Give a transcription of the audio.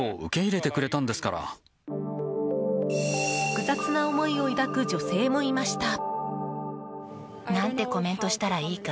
複雑な思いを抱く女性もいました。